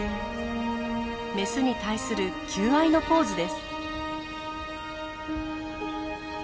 メスに対する求愛のポーズです。